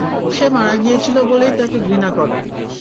সে মারা গিয়েছিল বলেই তাকে ঘৃণা করো।